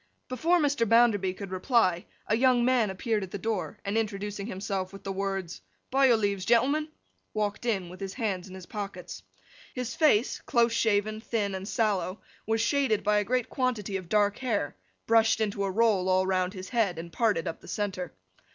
Before Mr. Bounderby could reply, a young man appeared at the door, and introducing himself with the words, 'By your leaves, gentlemen!' walked in with his hands in his pockets. His face, close shaven, thin, and sallow, was shaded by a great quantity of dark hair, brushed into a roll all round his head, and parted up the centre.